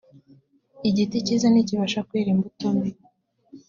igiti cyiza ntikibasha kwera imbuto mbi